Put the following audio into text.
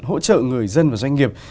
hỗ trợ người dân và doanh nghiệp